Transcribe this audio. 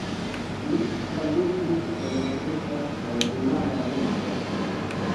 Li tradukis el rusa kaj rumana lingvoj.